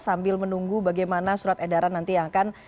sambil menunggu bagaimana surat edaran nanti yang akan